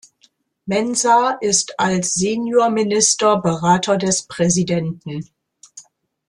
Mensah ist als Senior Minister Berater des Präsidenten.